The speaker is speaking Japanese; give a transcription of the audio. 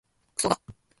くそが